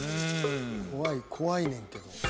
「怖い怖いねんけど」